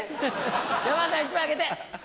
山田さん１枚あげて。